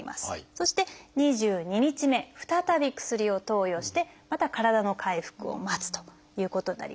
そして２２日目再び薬を投与してまた体の回復を待つということになります。